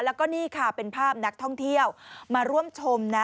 แล้วก็นี่ค่ะเป็นภาพนักท่องเที่ยวมาร่วมชมนะ